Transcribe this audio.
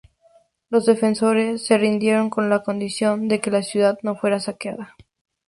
Los defensores se rindieron con la condición de que la ciudad no fuera saqueada.